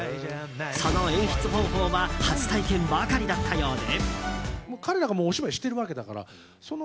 その演出方法は初体験ばかりだったようで。